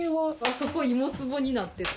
そこ芋つぼになってて。